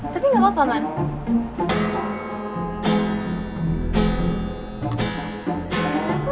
tapi gak apa apa man ya